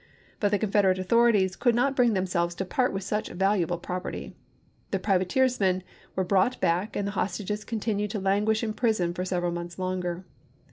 But the Confederate authorities could not bring themselves to part with such valuable property. The privateersmen were brought back, and the hostages continued to lan guish in prison for several months longer.